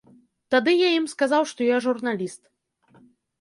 Тады я ім сказаў, што я журналіст.